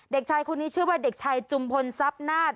เด็กชายคนนี้ชื่อว่าเด็กชายจุมพลทรัพย์นาศ